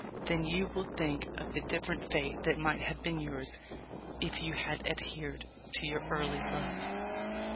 Then you will think of the different fate that might have been yours if you had adhered to your early love."